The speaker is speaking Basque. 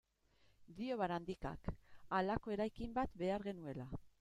Dio Barandikak, halako eraikin bat behar genuela.